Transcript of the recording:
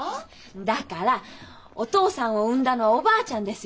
だからお父さんを産んだのはおばあちゃんですよね。